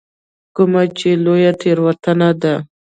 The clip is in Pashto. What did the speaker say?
کومه چې لویه تېروتنه ده.